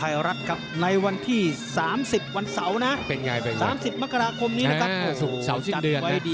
๓๐อย่าพลาดอย่าพลาด